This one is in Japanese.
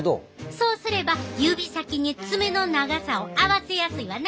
そうすれば指先に爪の長さを合わせやすいわな。